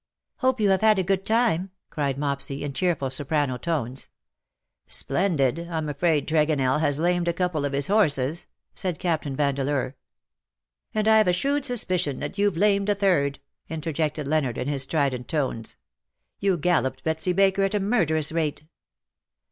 '^ Hope you have had a good time T' cried Mopsy, in cheerful soprano tones. ^' Splendid. Fm afraid Tregonell has lamed a couple of his horses/^ said Captain Vandeleur. " And Tve a shrewd suspicion that youVe lamed a third/^ interjected Leonard in his strident tones. " You galloped Betsy Baker at a murderous rate.''''